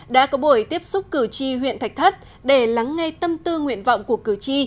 đã có buổi tiếp xúc cử tri huyện thạch thất để lắng nghe tâm tư nguyện vọng của cử tri